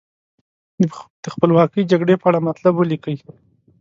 د خپلواکۍ جګړې په اړه مطلب ولیکئ.